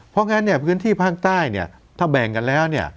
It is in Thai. เพราะงั้นเนี่ยพื้นที่ภาคใต้เนี่ยถ้าแบ่งกันแล้วเนี่ย